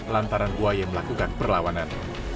lantaran buaya melakukan perlawanan